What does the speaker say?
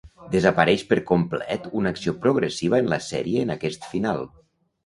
Desapareix per complet una acció progressiva en la sèrie en aquest final.